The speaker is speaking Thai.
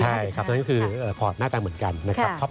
เพราะนั้นเฮียมันคือโปรดหน้าตาเหมือนกันนะครับ